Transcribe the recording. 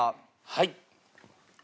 はい。